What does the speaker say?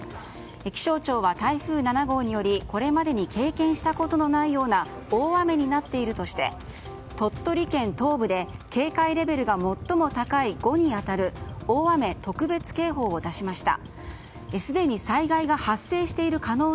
気象庁は台風７号によりこれまでに経験したことのないような大雨になっているとして鳥取県東部で警戒レベルが最も高い５に当たる大雨特別警報を出しました。